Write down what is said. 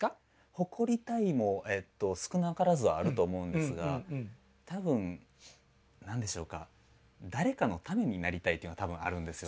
誇りたいも少なからずはあると思うんですが多分何でしょうか誰かのためになりたいというのが多分あるんですよね。